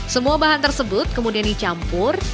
semua bahan tersebut kemudian dicampur